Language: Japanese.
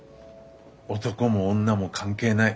男も女も関係ない。